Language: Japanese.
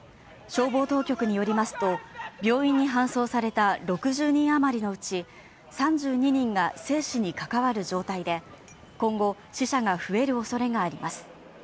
消防当局によりますと病院に搬送された６０人あまりのうち３２人が生死に関わる状態で今後、死者が増える恐れがあります。